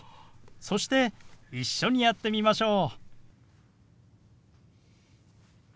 そして一緒にやってみましょう。